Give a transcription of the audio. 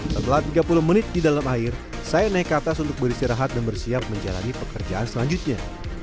setelah tiga puluh menit di dalam air saya naik ke atas untuk beristirahat dan bersiap menjalani pekerjaan selanjutnya